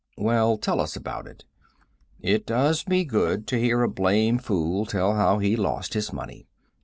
"Well, tell us about it. It does me good to hear a blamed fool tell how he lost his money.